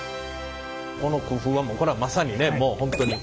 この工夫はこれはまさにねもう本当に。